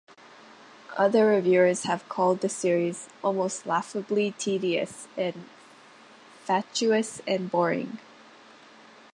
Other reviewers have called the series "almost laughably tedious" and "fatuous and boring.